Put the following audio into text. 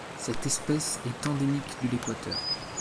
Cette espèce est endémique de l'Équateur.